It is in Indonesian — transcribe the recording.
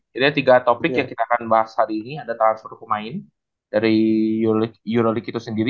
jadi tiga topik yang kita akan bahas hari ini ada transfer pemain dari euroleague itu sendiri